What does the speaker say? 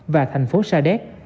và thành phố sa đéc